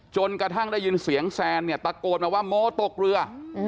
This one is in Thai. จนกระทั่งได้ยินเสียงแซนปรากฏมาว่าโม้ตกเหลือ